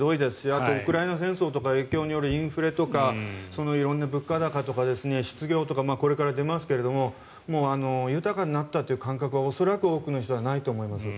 あとウクライナ戦争とかの影響によるインフレとか色んな物価高とか失業とか、これから出ますけど豊かになったという感覚は恐らく多くの人はないと思います。